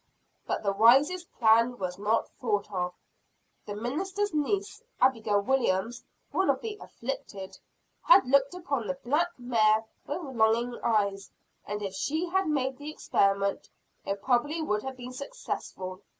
But the wisest plan was not thought of. The minister's niece, Abigail Williams one of the "afflicted" had looked upon the black mare with longing eyes; and if she had made the experiment, it probably would have been successful.